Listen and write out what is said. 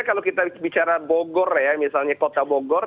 kalau kita bicara bogor ya misalnya kota bogor